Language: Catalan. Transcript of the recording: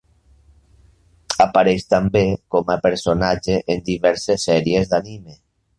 Apareix també com a personatge en diverses sèries d'anime.